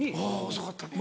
遅かったね。